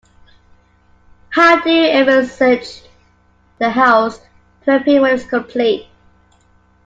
How do you envisage the house to appear when it's complete?